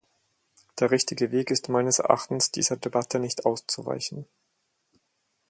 Der richtige Weg ist meines Erachtens, dieser Debatte nicht auszuweichen.